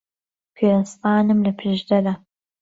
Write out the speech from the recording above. کوێستانم لە پشدەرە